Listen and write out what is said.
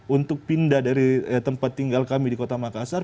untuk pindah dari tempat tinggal kami di kota makassar